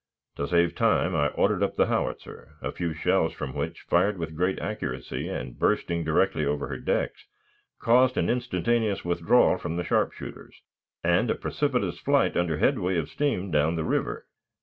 ... To save time I ordered up the howitzer, a few shells from which, fired with great accuracy, and bursting directly over her decks, caused an instantaneous withdrawal of the sharpshooters, and a precipitous flight under headway of steam down the river.